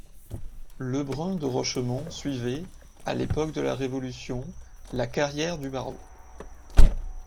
Lebrun de Rochemont suivait, à l'époque de la Révolution, la carrière du barreau.